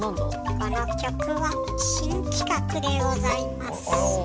この曲は新企画でございます。